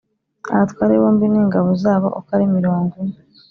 abatware bombi n ingabo zabo uko ari mirongo ine